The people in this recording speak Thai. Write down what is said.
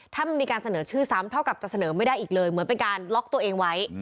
ถ้ามันมีการเสนอชื่อซ้ำเท่ากับจะเสนอไม่ได้อีกเลยเหมือนเป็นการล็อกตัวเองไว้